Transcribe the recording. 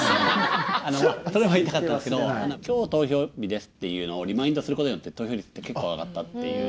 それも言いたかったんですけど今日投票日ですっていうのをリマインドすることによって投票率って結構上がったっていう。